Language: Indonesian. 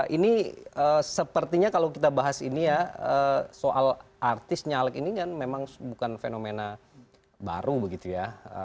ini sepertinya kalau kita bahas ini ya soal artis nyalek ini kan memang bukan fenomena baru begitu ya